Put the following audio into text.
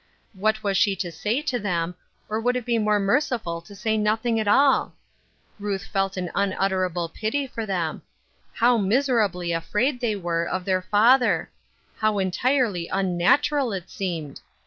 What was she to say to them, or would it be more merciful to say nothing at all ? Ruth felt an unutterable pity for them. How miserably afraid they were of their father I How entirely unnatural it seemed